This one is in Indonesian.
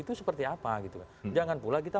itu seperti apa gitu kan jangan pula kita